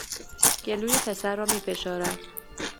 گلوی پسر را می فشارد